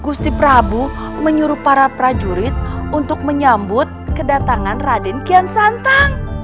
gusti prabu menyuruh para prajurit untuk menyambut kedatangan raden kian santang